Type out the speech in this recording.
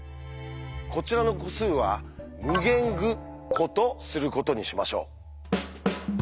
こちらの個数は「∞ぐ」個とすることにしましょう。